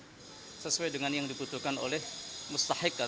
ini sesuai dengan yang dibutuhkan oleh mustahik